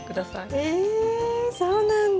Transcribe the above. えそうなんだ。